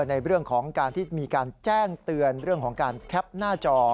ในเรื่องของการที่มีการแจ้งเตือนเรื่องของการแคปหน้าจอ